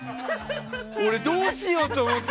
俺、どうしようと思って。